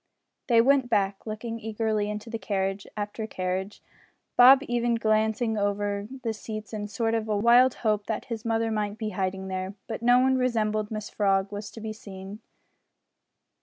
They went back, looking eagerly into carriage after carriage Bob even glancing under the seats in a sort of wild hope that his mother might be hiding there, but no one resembling Mrs Frog was to be seen.